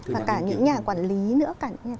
và cả những nhà quản lý nữa